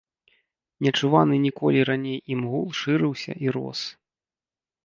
Нечуваны ніколі раней ім гул шырыўся і рос.